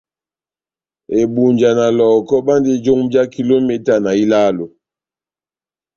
Ebunja na Lɔh᷅ɔkɔ bandi jomu já kilometa ilálo.